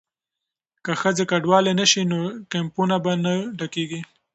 که ښځې کډوالې نه شي نو کیمپونه به نه ډکیږي.